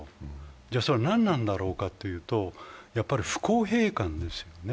じゃあ、それは何なんだろうかというとやはり不公平感ですよね。